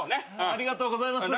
ありがとうございます。